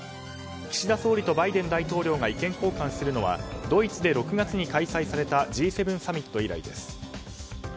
岸田総理とバイデン大統領が意見交換するのはドイツで６月に開催されたＧ７サミット以来です。